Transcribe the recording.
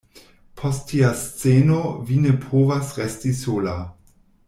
Post tia sceno, vi ne povas resti sola.